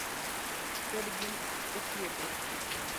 Pod gin osiepe